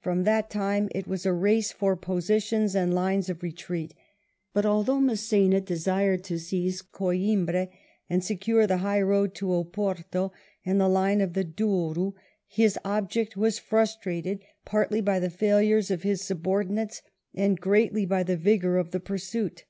From that time it was a race for positions and lines of retreat, but although Mass^na desired to seize Coimbra and secure the high road to Oporto and the line of the Douro, his object was frustrated, partly by the failures of his subordinates and greatly by the vigour of the pursuit.